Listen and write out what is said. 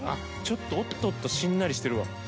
おっとっとしんなりしてるわ。